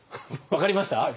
分かりました？